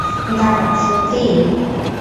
দাঁড়া, সত্যিই?